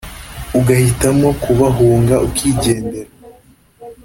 ugahitamo kubahunga ukigendera